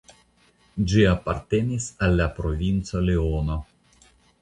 Ĝi apartenis al la Provinco Leono.